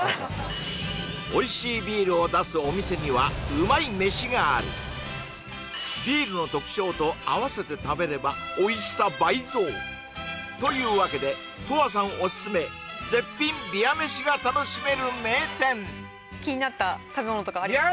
おいしいビールを出すお店にはうまい飯があるビールの特徴と合わせて食べればおいしさ倍増というわけで気になった食べ物とかありますか